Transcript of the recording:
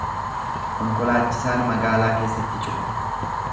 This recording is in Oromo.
Konkolaachisaan magaalaa keessatti cufa.